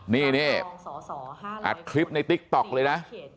นี่อัดคลิปในติ๊กต๊อกเลยนะ